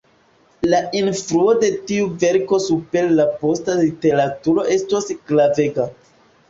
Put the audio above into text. La influo de tiu verko super la posta literaturo estos gravega.